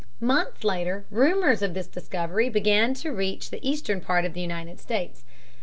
Months later rumors of this discovery began to reach the eastern part of the United States.